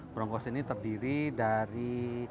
prongkos ini terdiri dari